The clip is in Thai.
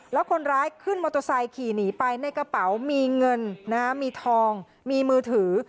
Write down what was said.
แล้วคนร้ายขึ้นมอเตอร์ไซค์ขี่หนีไปในกระเป๋ามีเงินมีทองมีมือถือ